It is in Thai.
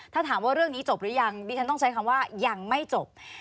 ถ้าถามว่าเรื่องนี้จบหรือยังดิฉันต้องใช้คำว่ายังไม่จบ